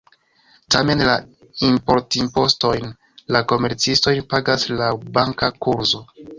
Tamen, la importimpostojn la komercistoj pagas laŭ banka kurzo.